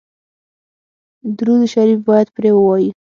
درود شریف باید پرې ووایو.